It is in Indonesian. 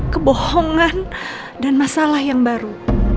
kebohongan dan masalah yang baru